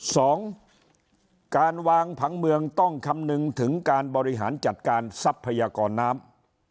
สองการวางผังเมืองต้องคำนึงถึงการบริหารจัดการทรัพยากรน้ำ